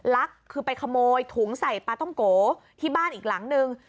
ลักคือไปขโมยถุงใส่ปลาต้องโกที่บ้านอีกหลังนึง